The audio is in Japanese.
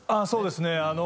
そうですね。